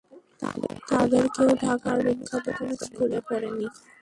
তাদের কেউ ঢাকার বিখ্যাত কোনো স্কুলে পড়েনি।